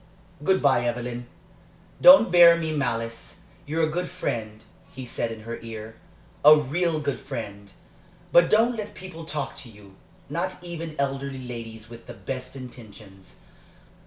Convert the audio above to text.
"Good bye, Evelyn. Don't bear me malice. You're a good friend," he said in her ear "a real good friend. But don't let people talk to you not even elderly ladies with the best intentions.